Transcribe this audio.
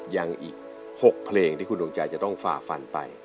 ยังอีก๖เพลงที่คุณดวงใจจะต้องฝ่าฟันไป